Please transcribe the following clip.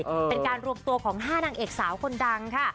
เป็นการรวมตัวของห้านางเอกสาวคนดังค่ะ